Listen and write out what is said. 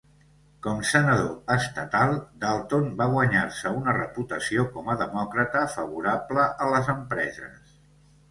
Com senador estatal, Dalton va guanyar-se una reputació com a demòcrata favorable a les empreses.